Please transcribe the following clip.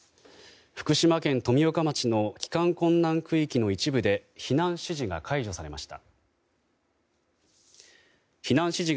福島県富岡町の帰還困難区域の一部で避難指示が解除されました。